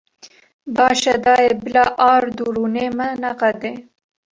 Baş e dayê, bila ard û rûnê me neqede.